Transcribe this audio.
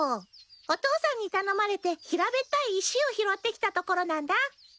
お父さんに頼まれて平べったい石を拾ってきたところなんだ。